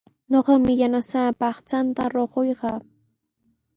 Ñuqami yanasaapa aqchanta rukuq kaa.